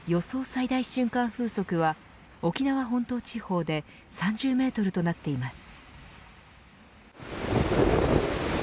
最大瞬間風速は沖縄本島地方で３０メートルとなっています。